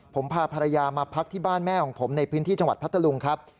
ผมพาภรรยามาพักที่บ้านแม่ของผมในพื้นที่จังหวัดพัทธลุงครับ